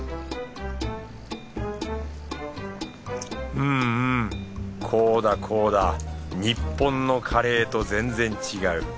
うんうんこうだこうだ日本のカレーと全然違う。